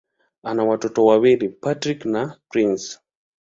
Ana watoto wawili: Patrick na Prince.